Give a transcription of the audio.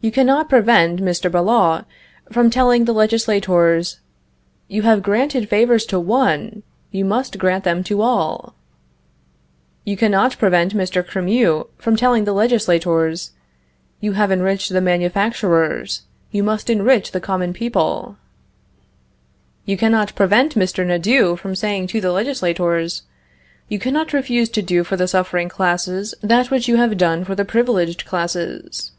You cannot prevent Mr. Billault from telling the legislators, "You have granted favors to one, you must grant them to all." You cannot prevent Mr. Cremieux from telling the legislators: "You have enriched the manufacturers, you must enrich the common people." You cannot prevent Mr. Nadeau from saying to the legislators: "You cannot refuse to do for the suffering classes that which you have done for the privileged classes."